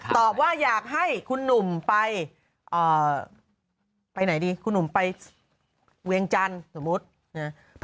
ตอบว่าอยากให้คุณหนุ่มไปไปวิวัยจันทร์สมมติ